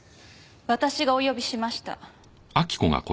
私がお呼びしました。